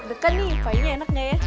deg degan nih paennya enak gak ya